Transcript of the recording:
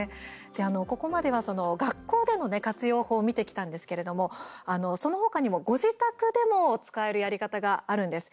ここまでは学校でのね活用法を見てきたんですけれどもそのほかにもご自宅でも使えるやり方があるんです。